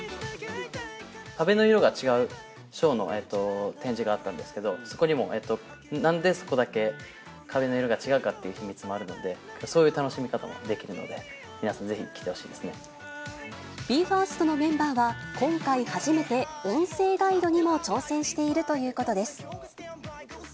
壁の色が違う展示があったんですけど、そこにも、なんでそこだけ壁の色が違うかという秘密もあるので、そういう楽しみ方もできるので、皆さん、ぜひ来てほしＢＥ：ＦＩＲＳＴのメンバーは、今回初めて音声ガイドにも挑戦しているということです。